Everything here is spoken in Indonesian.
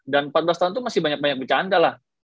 dan empat belas tahun itu masih banyak banyak bercanda lah